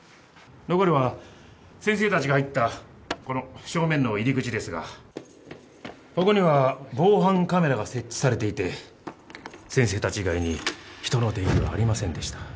残るは先生たちが入ったこの正面の入り口ですがここには防犯カメラが設置されていて先生たち以外に人の出入りはありませんでした。